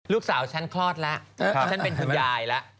ฉันคลอดแล้วฉันเป็นคุณยายแล้ว